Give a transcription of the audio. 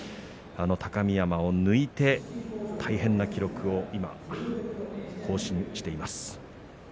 高見山を抜いて大変な記録を更新しています。